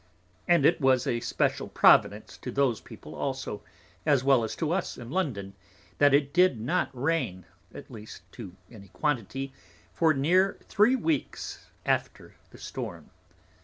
And it was a special Providence to those People also, as well as to us in London; that it did not Rain, at least to any quantity, for near three Weeks after the Storm.